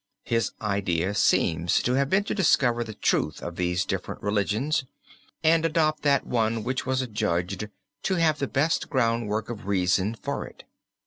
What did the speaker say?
His idea seems to have been to discover the truth of these different religions and adopt that one which was adjudged to have the best groundwork of reason for it.